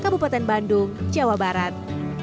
bupetan bandung jawa barat